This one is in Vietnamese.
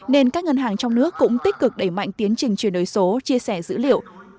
nên các ngân hàng trong nước cũng tích cực đẩy mạnh tiến trình chuyển đổi số chia sẻ dữ liệu